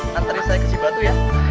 ngantarin saya ke sibatu ya